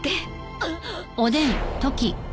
あっ！